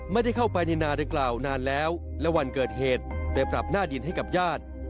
ไม่ได้เข้าไปในนาดังกล่าวนานแล้วและวันเกิดเหตุไปปรับหน้าดินให้กับญาติ